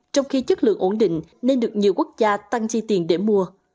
trong khi chất lượng ổn định nên được nhiều quốc gia tăng chi tiền để mua